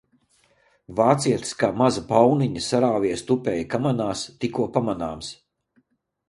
Vācietis kā maza pauniņa sarāvies tupēja kamanās tikko pamanāms.